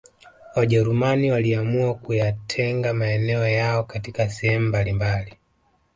Wajerumani waliamua kuyatenga maeneo yao katika sehemu mbalimabali